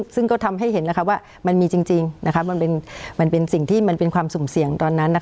ซึ่งก็ทำให้เห็นว่ามันมีจริงมันเป็นสิ่งที่มันเป็นความสุ่มเสี่ยงตอนนั้น